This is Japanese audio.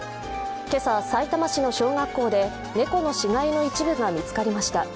今朝、さいたま市の小学校で猫の死骸の一部が見つかりました。